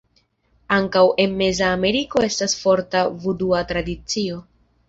Ankaŭ en meza Ameriko estas forta vudua tradicio.